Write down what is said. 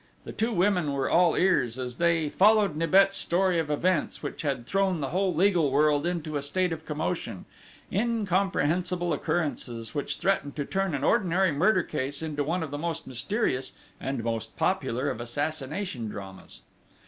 The two women were all ears, as they followed Nibet's story of events which had thrown the whole legal world into a state of commotion: incomprehensible occurrences, which threatened to turn an ordinary murder case into one of the most mysterious and most popular of assassination dramas.